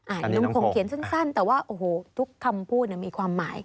อันนี้ลุงคงเขียนสั้นแต่ว่าโอ้โหทุกคำพูดมีความหมาย